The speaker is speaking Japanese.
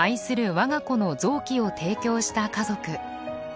我が子の臓器を提供した家族。